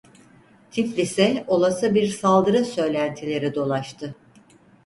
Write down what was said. Tiflis'e olası bir saldırı söylentileri dolaştı.